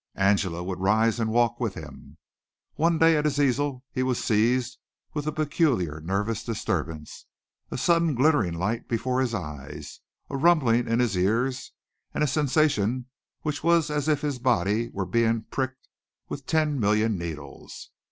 Angela would rise and walk with him. One day at his easel he was seized with a peculiar nervous disturbance a sudden glittering light before his eyes, a rumbling in his ears, and a sensation which was as if his body were being pricked with ten million needles.